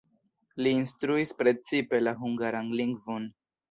Li instruis precipe la hungaran lingvon.